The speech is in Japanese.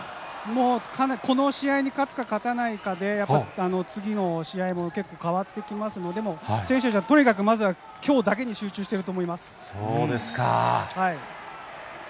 もうかなり、この試合に勝つか勝たないかで、やっぱ次の試合も結構変わってきますので、選手たちはとにかくまずはきょうだけに集中してると思います。